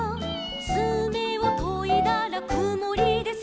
「つめをといだらくもりです」